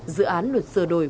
dự án luật sửa đổi